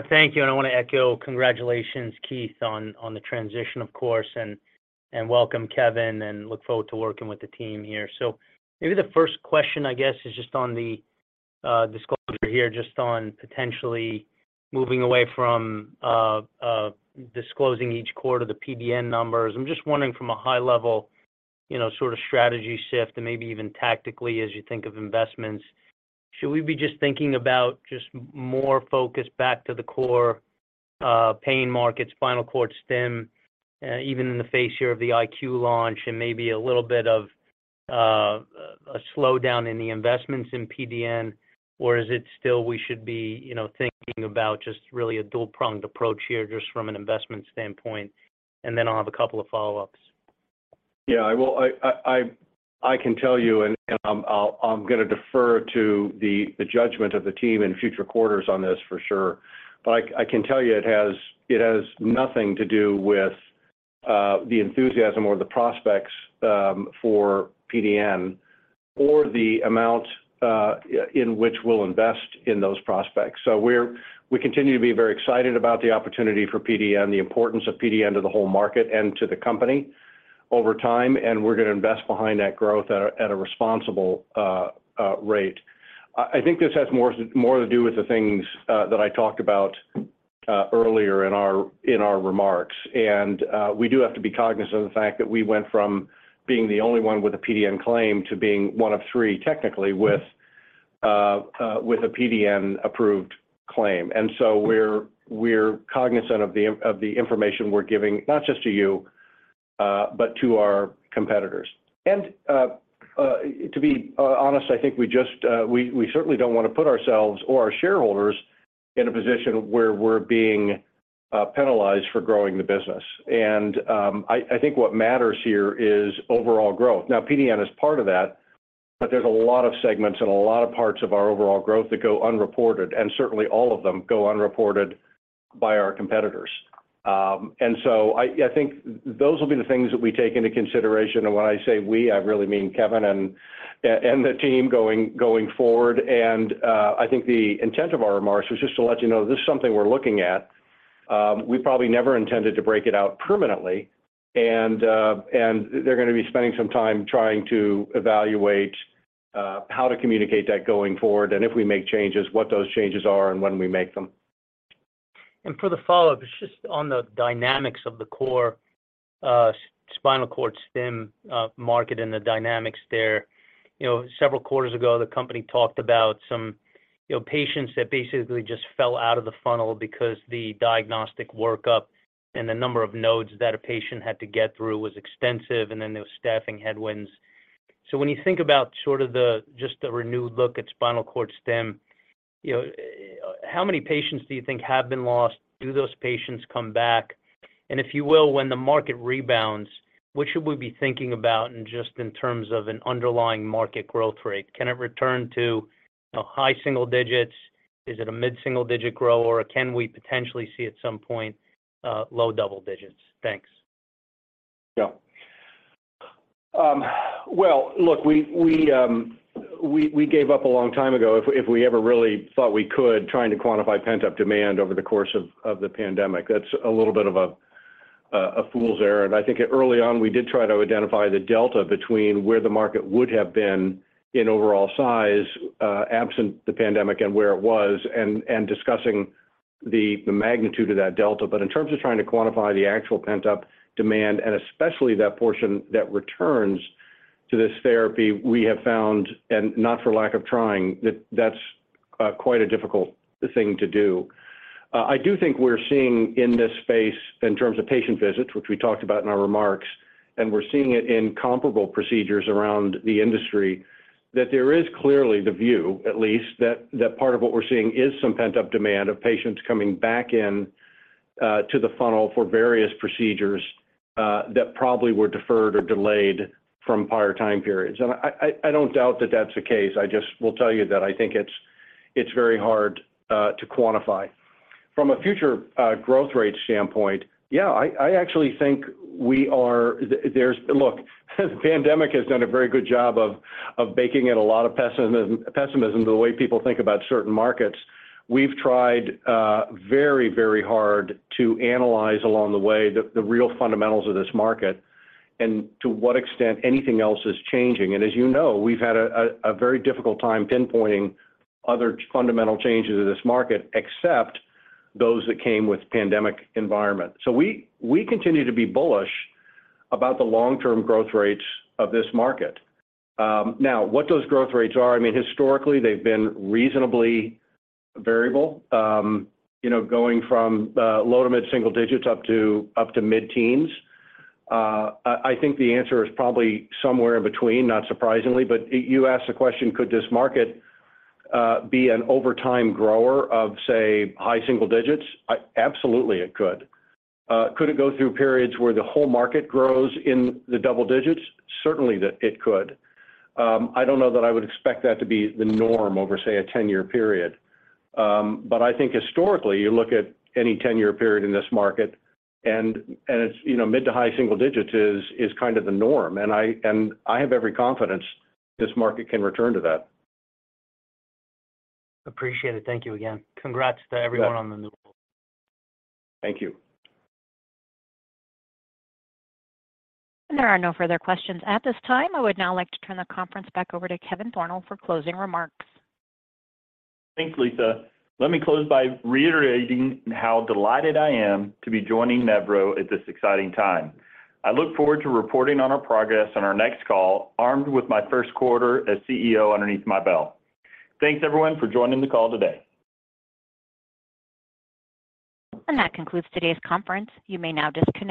Thank you. I wanna echo congratulations, Keith, on the transition of course, and welcome Kevin, and look forward to working with the team here. Maybe the first question, I guess, is just on the disclosure here, just on potentially moving away from disclosing each quarter the PDN numbers. I'm just wondering from a high level, you know, sort of strategy shift and maybe even tactically as you think of investments, should we be just thinking about just more focus back to the core pain markets, spinal cord stim, even in the face year of the iQ launch and maybe a little bit of a slowdown in the investments in PDN? Is it still we should be, you know, thinking about just really a dual-pronged approach here just from an investment standpoint? I'll have a couple of follow-ups. Yeah, I can tell you, and I'm gonna defer to the judgment of the team in future quarters on this for sure. I can tell you it has nothing to do with the enthusiasm or the prospects for PDN or the amount in which we'll invest in those prospects. We continue to be very excited about the opportunity for PDN, the importance of PDN to the whole market and to the company over time, and we're gonna invest behind that growth at a responsible rate. I think this has more to do with the things that I talked about earlier in our remarks. We do have to be cognizant of the fact that we went from being the only one with a PDN claim to being one of three technically with a PDN-approved claim. So we're cognizant of the information we're giving not just to you, but to our competitors. To be honest, I think we just, we certainly don't wanna put ourselves or our shareholders in a position where we're being penalized for growing the business. I think what matters here is overall growth. Now, PDN is part of that, but there's a lot of segments and a lot of parts of our overall growth that go unreported, and certainly all of them go unreported by our competitors. I think those will be the things that we take into consideration. When I say we, I really mean Kevin and the team going forward. I think the intent of our remarks was just to let you know this is something we're looking at. We probably never intended to break it out permanently. They're gonna be spending some time trying to evaluate how to communicate that going forward, and if we make changes, what those changes are and when we make them. For the follow-up, it's just on the dynamics of the core spinal cord stim market and the dynamics there. You know, several quarters ago, the company talked about some, you know, patients that basically just fell out of the funnel because the diagnostic workup and the number of nodes that a patient had to get through was extensive, and then there was staffing headwinds. When you think about sort of the just the renewed look at spinal cord stim, you know, how many patients do you think have been lost? Do those patients come back? If you will, when the market rebounds, what should we be thinking about in just in terms of an underlying market growth rate? Can it return to, you know, high single digits? Is it a mid-single digit grower, or can we potentially see at some point, low double digits? Thanks. Well, look, we gave up a long time ago if we ever really thought we could, trying to quantify pent-up demand over the course of the pandemic. That's a little bit of a fool's errand. I think early on, we did try to identify the delta between where the market would have been in overall size, absent the pandemic and where it was and discussing the magnitude of that delta. In terms of trying to quantify the actual pent-up demand, and especially that portion that returns to this therapy, we have found, and not for lack of trying, that that's quite a difficult thing to do. I do think we're seeing in this space in terms of patient visits, which we talked about in our remarks, and we're seeing it in comparable procedures around the industry, that there is clearly the view, at least, that that part of what we're seeing is some pent-up demand of patients coming back in to the funnel for various procedures that probably were deferred or delayed from prior time periods. I, I don't doubt that that's the case. I just will tell you that I think it's very hard to quantify. From a future growth rate standpoint, yeah, I actually think we are. Look, this pandemic has done a very good job of baking in a lot of pessimism to the way people think about certain markets. We've tried very hard to analyze along the way the real fundamentals of this market and to what extent anything else is changing. As you know, we've had a very difficult time pinpointing other fundamental changes in this market, except those that came with pandemic environment. We continue to be bullish about the long-term growth rates of this market. Now, what those growth rates are, I mean historically, they've been reasonably variable, you know, going from low to mid-single digits up to mid-teens. I think the answer is probably somewhere in between, not surprisingly. You asked the question, could this market be an overtime grower of, say, high single digits? Absolutely it could. Could it go through periods where the whole market grows in the double digits? Certainly it could. I don't know that I would expect that to be the norm over, say, a 10-year period. I think historically, you look at any 10-year period in this market and it's, you know, mid to high single digits is kind of the norm. I have every confidence this market can return to that. Appreciate it. Thank you again. Congrats to everyone on the new role. Thank you. There are no further questions at this time. I would now like to turn the conference back over to Kevin Thornal for closing remarks. Thanks, Lisa. Let me close by reiterating how delighted I am to be joining Nevro at this exciting time. I look forward to reporting on our progress on our next call, armed with my first quarter as CEO underneath my belt. Thanks everyone for joining the call today. That concludes today's conference. You may now disconnect.